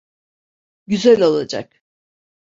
Güzel olacak.